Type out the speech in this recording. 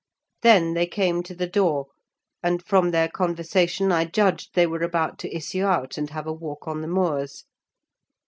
Then they came to the door, and from their conversation I judged they were about to issue out and have a walk on the moors.